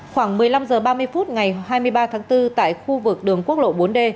khoảng một mươi năm h ba mươi phút ngày hai mươi ba tháng bốn tại khu vực đường quốc lộ bốn d